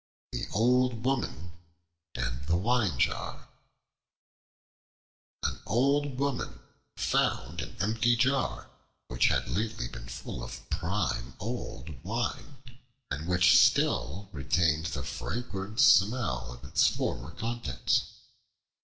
The Old Woman and the Wine Jar AN OLD WOMAN found an empty jar which had lately been full of prime old wine and which still retained the fragrant smell of its former contents.